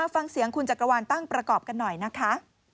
ฟังเสียงคุณจักรวาลตั้งประกอบกันหน่อยนะคะ